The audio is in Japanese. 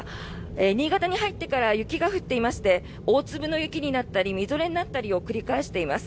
新潟に入ってから雪が降っていまして大粒の雪になったりみぞれになったりを繰り返しています。